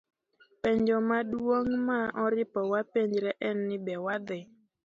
Penjo maduong' ma oripo wapenjre en ni be wadhi